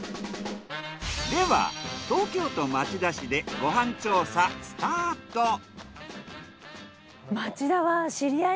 では東京都町田市でご飯調査スタート！